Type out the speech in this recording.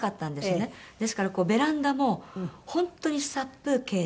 ですからベランダも本当に殺風景で。